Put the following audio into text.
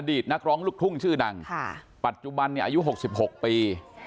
อดีตนักร้องลุกทุ่งชื่อดังค่ะปัจจุบันเนี่ยอายุหกสิบหกปี